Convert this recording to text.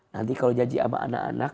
nanti kalau janji sama anak anak